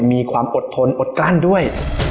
มีความอดทนอดกลั้นด้วย